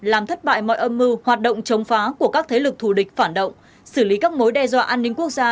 làm thất bại mọi âm mưu hoạt động chống phá của các thế lực thù địch phản động xử lý các mối đe dọa an ninh quốc gia